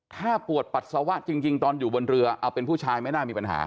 ถ้าปวดปัสสาวะจริงตอนอยู่บนเรือเอาเป็นผู้ชายไม่น่ามีปัญหา